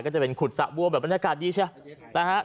จะเป็นขุดสระบัวแบบบรรทักาศดีเชียวนะครับ